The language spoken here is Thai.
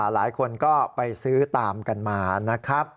หลายคนก็ไปซื้อตามกันมานะครับ